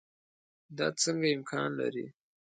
دا څنګه امکان لري.